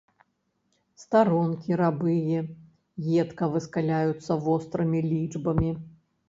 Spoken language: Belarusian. Старонкі рабыя едка выскаляюцца вострымі лічбамі.